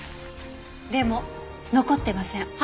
でも残ってません。